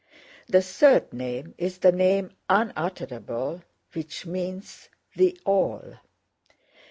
The third name is the name unutterable which means the All.